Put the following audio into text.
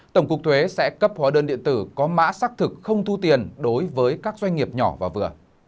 tổng cục thuế sẽ cấp hóa đơn điện tử có mã xác thực không thu tiền đối với các doanh nghiệp nhỏ và vừa